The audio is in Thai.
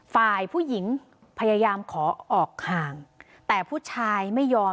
ฝ่ายผู้หญิงพยายามขอออกห่างแต่ผู้ชายไม่ยอม